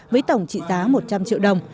với tổng trị giá một trăm linh triệu đồng